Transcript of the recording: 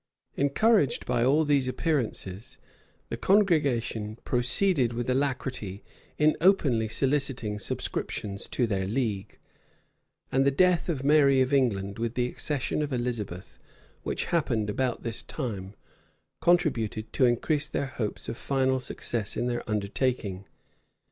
Encouraged by all these appearances, the congregation proceeded with alacrity in openly soliciting subscriptions to their league; and the death of Mary of England, with the accession of Elizabeth, which happened about this time, contributed to increase their hopes of final success in their undertaking.